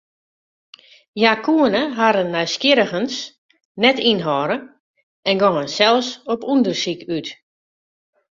Hja koene harren nijsgjirrigens net ynhâlde en gongen sels op ûndersyk út.